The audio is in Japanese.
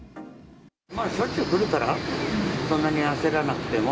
まあしょっちゅう来るからそんなに焦らなくても。